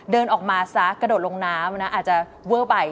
เดินออกมาซะกระโดดลงน้ำนะอาจจะเวอร์ไป